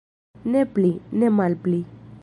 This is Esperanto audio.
Ne pli, ne malpli.